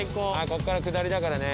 こっから下りだからね。